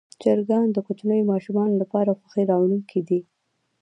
چرګان د کوچنیو ماشومانو لپاره خوښي راوړونکي دي.